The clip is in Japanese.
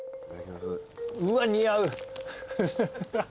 うわっ似合う。